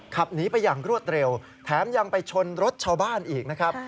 ขับหนีไปอย่างรวดเร็วแถมยังไปชนรถชาวบ้านอีกนะครับ